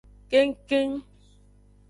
Kengkeng.